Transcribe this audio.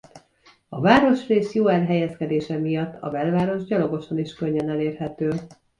A városrész jó elhelyezkedése miatt a Belváros gyalogosan is könnyen elérhető.